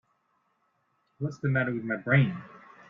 What's the matter with my brain?